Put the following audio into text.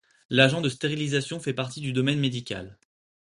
L'agent de stérilisation fait partie du domaine médical.